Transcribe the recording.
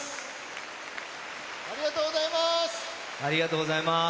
ありがとうございます！